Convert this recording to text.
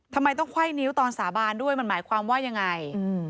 ทำไมต้องไขว้นิ้วตอนสาบานด้วยมันหมายความว่ายังไง